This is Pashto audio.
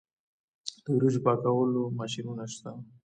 د وریجو پاکولو ماشینونه شته